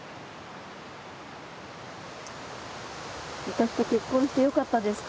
私と結婚してよかったですか？